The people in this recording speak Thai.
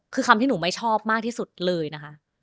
คือคำที่หนูไม่ชอบมากที่สุดเลยนะคะ